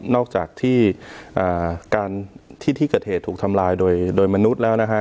อกจากที่ที่เกิดเหตุถูกทำลายโดยมนุษย์แล้วนะฮะ